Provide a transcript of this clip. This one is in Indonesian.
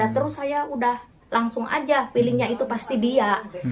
dan terus saya udah langsung aja feelingnya itu pasti dia